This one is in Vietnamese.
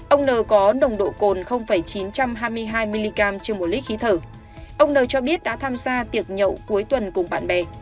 ông n có nồng độ cồn chín trăm hai mươi hai mg trên một lít khí thở ông n cho biết đã tham gia tiệc nhậu cuối tuần cùng bạn bè